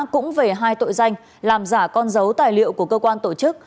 cũng về hai tội danh làm giả con dấu tài liệu của cơ quan tổ chức